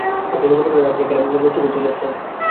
আপনি কি মনে করেন আপনি এখানে বস্তি করতে যাচ্ছেন?